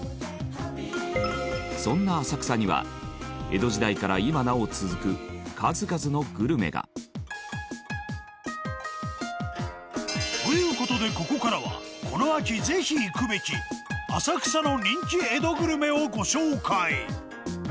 そんな浅草には江戸時代から今なお続く数々のグルメが。という事でここからはこの秋ぜひ行くべき浅草の人気江戸グルメをご紹介。